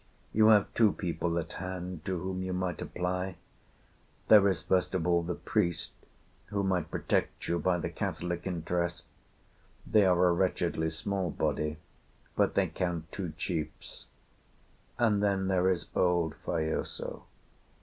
You have two people at hand to whom you might apply. There is, first of all, the priest, who might protect you by the Catholic interest; they are a wretchedly small body, but they count two chiefs. And then there is old Faiaso.